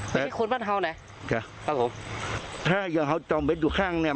ส่วนไปถึงตี้ร๊าออบ